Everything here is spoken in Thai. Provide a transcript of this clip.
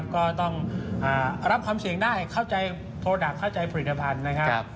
ก็ต้องรับความเสี่ยงได้เข้าใจโปรดักต์เข้าใจผลิตภัณฑ์นะครับ